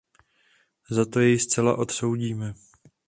Za to jej zcela odsoudíme.